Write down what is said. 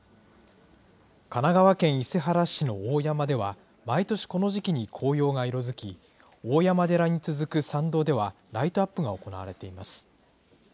神奈川県伊勢原市の大山では、毎年この時期に紅葉が色づき、大山寺に続く参道では、ライトアップが行われています。